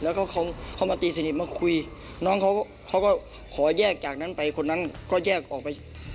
แล้วก็เขามาตีสนิทมาคุยน้องเขาก็ขอแยกจากนั้นไปคนนั้นก็แยกออกไป